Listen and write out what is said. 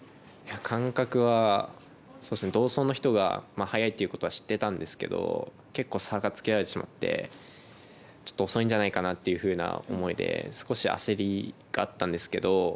感覚は同走の人が速いということは知ってたんですけど結構差がつけられてしまってちょっと遅んじゃないかなというふうな思いで少し焦りがあったんですけど